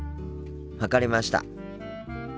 分かりました。